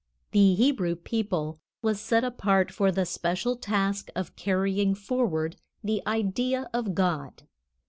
The Hebrew people was set apart for the special task of carrying forward the idea of God.